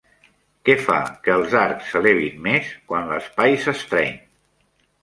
Què fa que els arcs s'elevin més quan l'espai s'estreny?